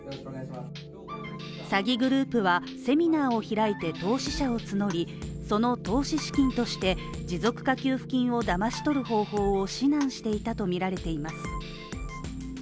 詐欺グループは、セミナーを開いて投資者を募り、その投資資金として持続化給付金をだまし取る方法を指南していたとみられています